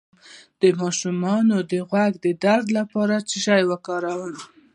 د ماشوم د غوږ د درد لپاره څه شی وکاروم؟